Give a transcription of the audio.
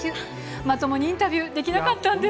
まともにインタビューできなかったんです。